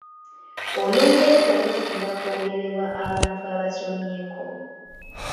Olungereza lusinga kwogerebwa abantu abasomyeko.